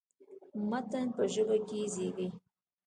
متن په ژبه کې زېږي.